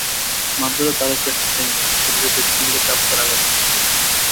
মারধরে তাঁর একটি হাত ভেঙে গেছে, শরীরের পেছন দিকে চাবুকের আঘাতের চিহ্ন।